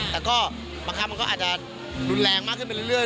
แต่ก็มักคราวมันอาจจะรุนแรงมากขึ้นเรื่อย